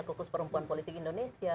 kokus perempuan politik indonesia